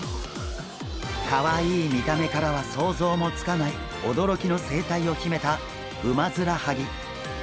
かわいい見た目からは想像もつかない驚きの生態を秘めたウマヅラハギ。